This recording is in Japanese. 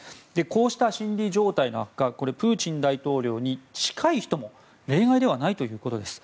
こうした心理状態の悪化はプーチン大統領に近い人も例外ではないということです。